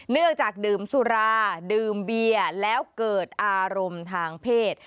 เนื่องจากดื่มสุราดื่มเบียร์แล้วเกิดอารมณ์ทางเพศ